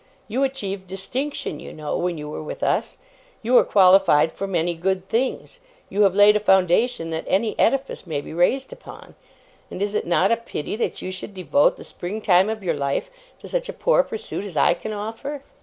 You achieved distinction, you know, when you were with us. You are qualified for many good things. You have laid a foundation that any edifice may be raised upon; and is it not a pity that you should devote the spring time of your life to such a poor pursuit as I can offer?